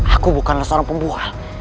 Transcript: aku bukanlah seorang pembual